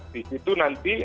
di situ nanti